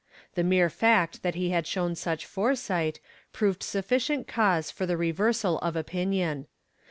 The mere fact that he had shown such foresight proved sufficient cause for the reversal of opinion.